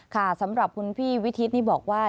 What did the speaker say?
ค่ะสำหรับคุณพี่วิทิศนี่บอกว่า